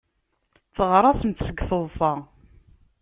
Tteɣraṣemt seg teḍsa.